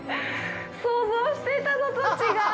想像してたのと違う！